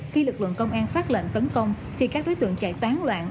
khi lực lượng công an phát lệnh tấn công thì các đối tượng chạy tán loạn